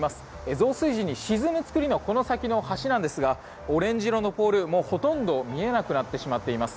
増水時に沈む造りのこの先の橋なんですがオレンジ色のポールもほとんど見えなくなってしまっています。